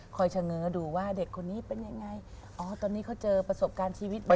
เฉง้อดูว่าเด็กคนนี้เป็นยังไงอ๋อตอนนี้เขาเจอประสบการณ์ชีวิตบ่อย